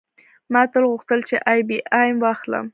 ما تل غوښتل چې آی بي ایم واخلم